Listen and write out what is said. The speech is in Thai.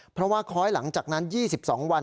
เพราะว่าค้อยหลังจากนั้น๒๒วัน